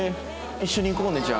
一緒に行こうねじゃあ。